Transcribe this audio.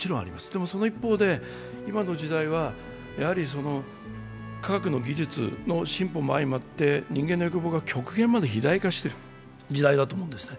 でもその一方で、今の時代は科学の技術の進歩もあいまって人間の欲望が極限まで肥大化してる時代だと思うんですね。